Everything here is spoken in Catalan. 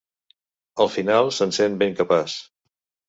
Al final se'n sent ben capaç.